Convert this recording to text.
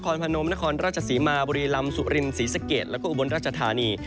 พนมนครราชศรีมาบุรีลำสุรินศรีสะเกดแล้วก็อุบลราชธานี